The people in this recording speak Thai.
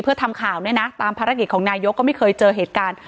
เพื่อทำข่าวเนี่ยนะตามภารกิจของนายกก็ไม่เคยเจอเหตุการณ์